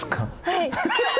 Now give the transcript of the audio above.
はい。